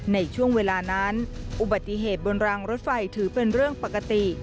ในช่วงเวลานั้นอุบัติเหตุบนรางรถไฟถือเป็นเรื่องปกติ